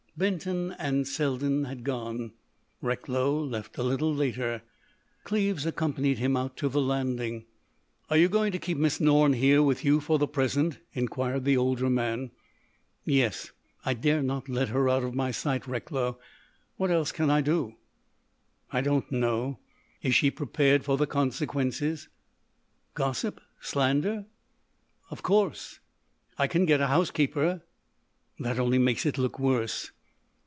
Benton and Selden had gone. Recklow left a little later. Cleves accompanied him out to the landing. "Are you going to keep Miss Norne here with you for the present?" inquired the older man. "Yes. I dare not let her out of my sight, Recklow. What else can I do?" "I don't know. Is she prepared for the consequences?" "Gossip? Slander?" "Of course." "I can get a housekeeper." "That only makes it look worse."